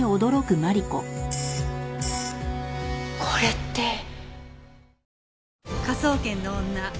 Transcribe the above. これって。